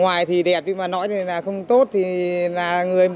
vào thời điểm mùa hè như thế này